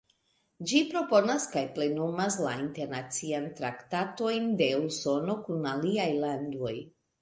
Ĝi proponas kaj plenumas la internacian traktatojn de Usono kun aliaj landoj.